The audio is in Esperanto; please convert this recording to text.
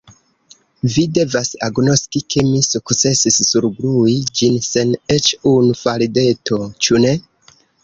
Vi devas agnoski, ke mi sukcesis surglui ĝin sen eĉ unu faldeto, ĉu ne?